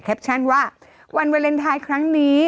แคปชั่นว่าวันวาเลนไทยครั้งนี้